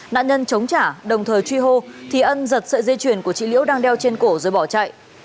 nạn nhân chống trả đồng thời truy hô thì ân giật sợi dây chuyền của chị liễu đang đeo trên cổ rồi bỏ chạy